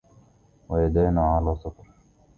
ويدانا على سَفَر